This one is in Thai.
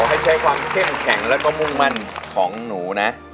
ให้ใช้ความเข้มแข็งแล้วก็มุ่งมั่นของหนูนะ